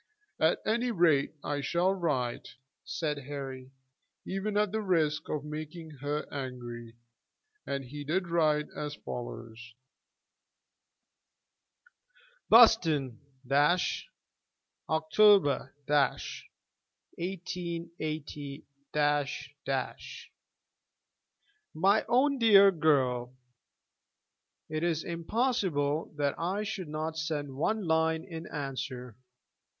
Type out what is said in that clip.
"At any rate, I shall write," said Harry, "even at the risk of making her angry." And he did write as follows: "BUSTON, October, 188 . "MY OWN DEAR GIRL, It is impossible that I should not send one line in answer.